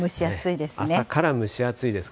朝から蒸し暑いです。